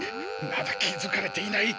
まだ気づかれていない。